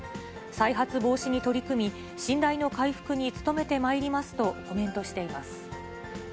再発防止に取り組み、信頼の回復に努めてまいりますとコメントしています。